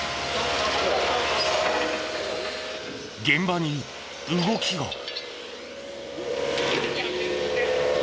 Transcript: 現場に動きが。